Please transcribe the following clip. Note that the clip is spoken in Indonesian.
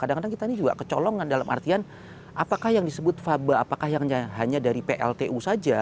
kadang kadang kita ini juga kecolongan dalam artian apakah yang disebut faba apakah yang hanya dari pltu saja